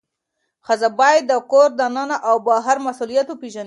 ښځه باید د کور دننه او بهر مسؤلیت وپیژني.